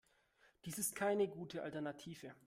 Dies ist keine gute Alternative.